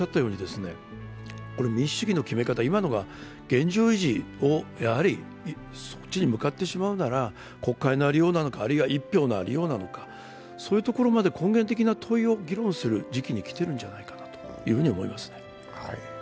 民主主義の決め方、現状維持に向かってしまうなら国会のありようなのか、あるいは一票のありようなのか、そういうところまで根源的な問いを議論する時期にきてるんじゃないかと思いますね。